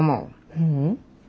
ううん。